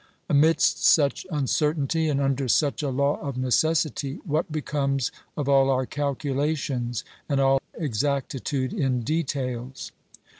Amidst such uncertainty, and under such a law of necessity, what becomes of all our calculations and all exactitude in details